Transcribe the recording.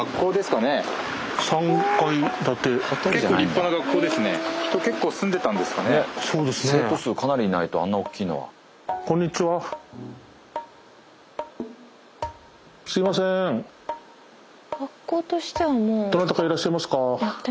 どなたかいらっしゃいますか？